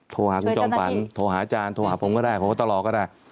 โทรหาคุณจอมฝันโทรหาอาจารย์โทรหาผมก็ได้พบตรก็ได้